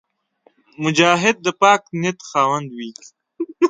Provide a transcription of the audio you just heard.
مجاهد د پاک نیت خاوند وي.